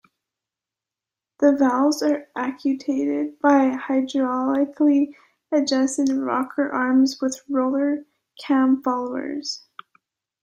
The valves are actuated by hydraulically adjusted rocker arms with roller cam followers.